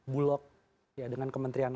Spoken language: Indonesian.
bulog ya dengan kementerian